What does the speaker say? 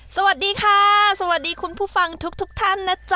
สวัสดีค่ะสวัสดีคุณผู้ฟังทุกทุกท่านนะจ๊